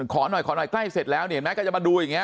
ขอหน่อยขอหน่อยใกล้เสร็จแล้วเนี่ยแม้ก็จะมาดูอย่างเงี้ย